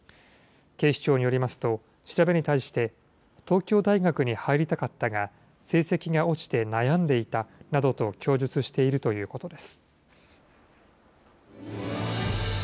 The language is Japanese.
警視庁によりますと、調べに対して、東京大学に入りたかったが、成績が落ちて悩んでいたなどと供述しているということです。